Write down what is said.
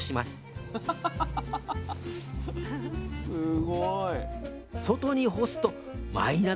すごい。